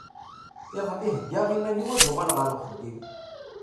Iḍelli heggeɣ iman-is ad uɣaleɣ ar uxeddim.